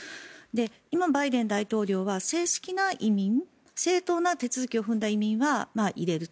今、バイデン大統領は正式な移民正当な手続きを踏んだ移民は入れると。